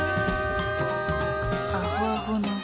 アホアホの。